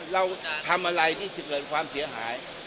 เราทำอะไรที่จะเกิดความเสียหาย